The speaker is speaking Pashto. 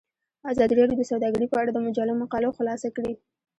ازادي راډیو د سوداګري په اړه د مجلو مقالو خلاصه کړې.